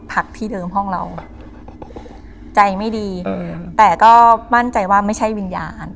พักที่เดิมห้องเราใจไม่ดีแต่ก็มั่นใจว่าไม่ใช่วิญญาณ